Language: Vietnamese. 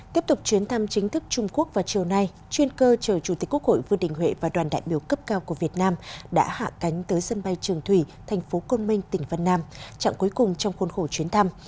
tiếp tục chuyến thăm chính thức trung quốc vào chiều nay chuyên cơ chờ chủ tịch quốc hội vương đình huệ và đoàn đại biểu cấp cao của việt nam đã hạ cánh tới sân bay trường thủy thành phố côn minh tỉnh vân nam chặng cuối cùng trong khuôn khổ chuyến thăm